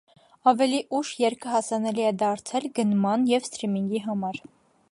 Ավելի ուշ երգը հասանելի է դարձել գնման ու սթրիմինգի համար։